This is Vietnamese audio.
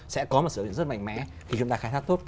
sẽ có sở hữu rất mạnh mẽ khi chúng ta khai thác tốt